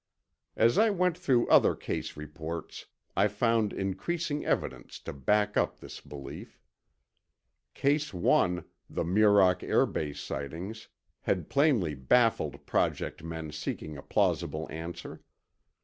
As I went through other case reports, I found increasing evidence to back up this belief. Case 1, the Muroc Air Base sightings, had plainly baffled Project men seeking a plausible answer.